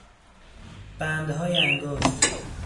بندهای انگشت